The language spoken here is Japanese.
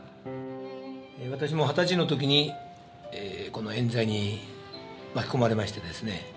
私も二十歳の時にえん罪に巻き込まれましてですね